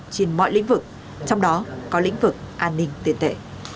trên mọi lĩnh vực trong đó có lĩnh vực an ninh tiền tệ